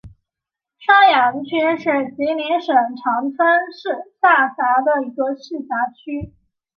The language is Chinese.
双阳区是吉林省长春市下辖的一个市辖区。